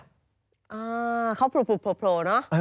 อ่าเขาโผล่เนอะ